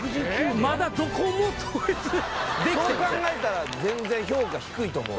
そう考えたら全然評価低いと思う。